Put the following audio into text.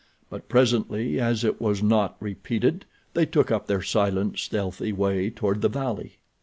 But presently, as it was not repeated, they took up their silent, stealthy way toward the valley.